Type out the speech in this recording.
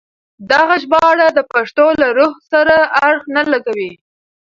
دغه ژباړه د پښتو له روح سره اړخ نه لګوي.